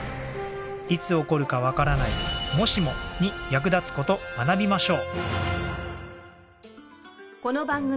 いつ起こるかわからない「もしも」に役立つ事学びましょう。